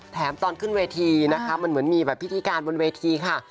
ตอนขึ้นเวทีนะคะมันเหมือนมีแบบพิธีการบนเวทีค่ะ